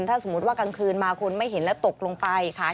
ถ้าสมมุติว่ากลางคืนมาคนไม่เห็นแล้วตกลงไปขา